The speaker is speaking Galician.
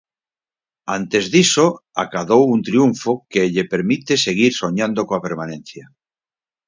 Antes diso acadou un triunfo que lle permite seguir soñando coa permanencia.